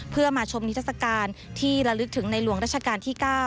เพื่อมาชมนิทัศกาลที่ระลึกถึงในหลวงราชการที่๙